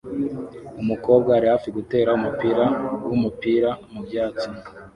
Umukobwa ari hafi gutera umupira wumupira mubyatsi